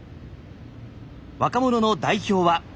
若者の代表は。